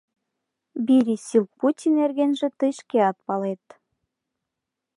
Бири Силкути нергенже тый шкеат палет.